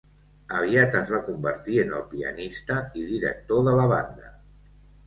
Aviat es va convertir en el pianista i director de la banda.